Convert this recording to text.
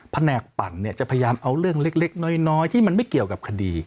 แผนกปั่นเนี่ยจะพยายามเอาเรื่องเล็กน้อยที่มันไม่เกี่ยวกับคดี